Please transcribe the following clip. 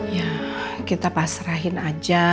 ya kita pasrahin aja